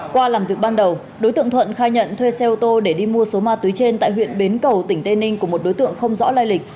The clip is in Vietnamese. qua làm việc ban đầu đối tượng thuận khai nhận thuê xe ô tô để đi mua số ma túy trên tại huyện bến cầu tỉnh tây ninh của một đối tượng không rõ lai lịch